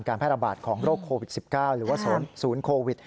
แพร่ระบาดของโรคโควิด๑๙หรือว่าศูนย์โควิด